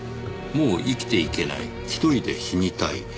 「もう生きていけない」「一人で死にたい」